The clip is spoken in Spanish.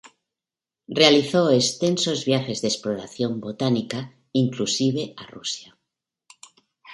Realizó extensos viajes de exploración botánica, inclusive a Rusia.